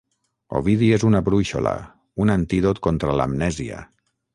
Ovidi és una brúixola, un antídot contra l’amnèsia